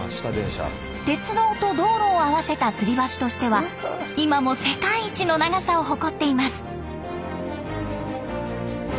鉄道と道路を併せた吊り橋としては今も世界一の長さを誇っています。